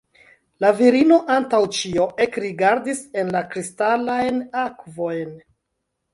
La virino antaŭ ĉio ekrigardis en la kristalajn akvojn.